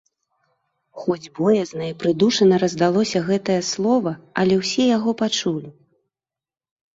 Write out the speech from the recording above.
Хоць боязна і прыдушана раздалося гэтае слова, але ўсе яго пачулі.